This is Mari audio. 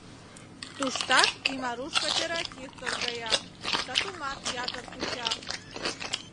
Туштак Имаруш кооператив торгая, сатумат ятыр куча.